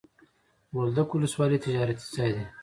بولدک ولسوالي تجارتي ځای دی.